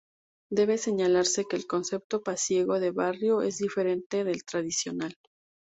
Debe señalarse que el concepto pasiego de barrio es diferente del tradicional.